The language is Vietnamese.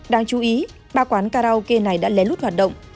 đáng chú ý ba quán karaoke này đã lén lút hoạt động